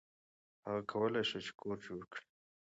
هغه کولی شي کور جوړ کړي.